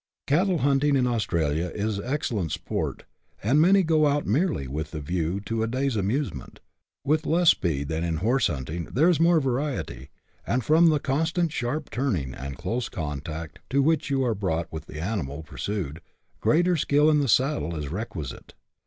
Cattle iiunting in Australia is excellent sport, and many go out merely with the view to a day's anmsement ; with less speed than in horse hunting, there is more variety, and from the constant sharp turning and close contact to which you are brought with the animal pursued, greater skill in the saddle is requisite.